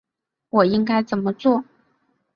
我应该怎样做？